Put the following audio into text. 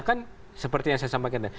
karena kan seperti yang saya sampaikan